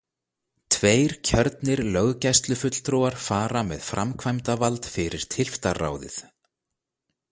Tveir kjörnir löggæslufulltrúar fara með framkvæmdavald fyrir tylftarráðið.